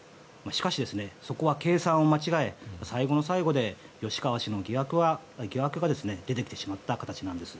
しかし、そこは計算を間違え最後の最後で吉川氏の疑惑が出てきてしまった形なんです。